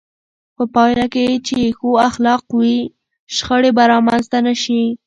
په پایله کې چې ښو اخلاق وي، شخړې به رامنځته نه شي.